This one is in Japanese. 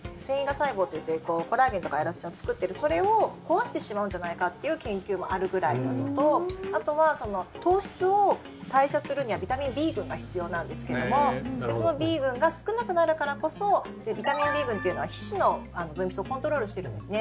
細胞といってコラーゲンとかエラスチンを作っているっていうそれを壊してしまうんじゃないかという研究もあるぐらいなのとあとは糖質を代謝するにはビタミンＢ群が必要なんですけどもこのＢ群が少なくなるからこそビタミンＢ群というのは皮脂の分泌をコントロールしてるんですね。